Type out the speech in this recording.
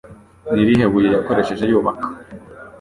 Ni irihe buye yakoresheje yubaka?